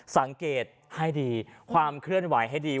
สังเกตให้ดีความเคลื่อนไหวให้ดี